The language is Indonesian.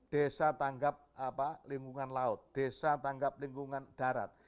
desa tanggap lingkungan laut desa tanggap lingkungan darat